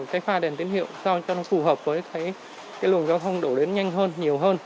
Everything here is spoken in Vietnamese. cái pha đèn tín hiệu sao cho nó phù hợp với cái luồng giao thông đổ đến nhanh hơn nhiều hơn